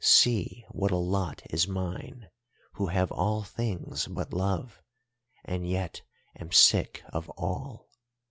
See what a lot is mine, who have all things but love, and yet am sick of all!